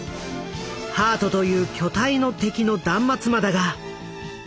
ハートという巨体の敵の断末魔だが。